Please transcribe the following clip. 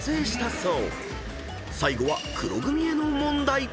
［最後は黒組への問題］